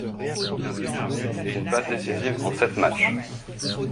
Il inscrit un but et une passe décisive en sept matchs.